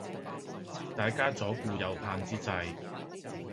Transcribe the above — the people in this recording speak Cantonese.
大家左顧右盼之際